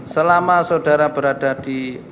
selama saudara berada di